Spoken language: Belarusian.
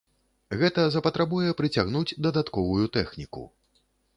Гэта запатрабуе прыцягнуць дадатковую тэхніку.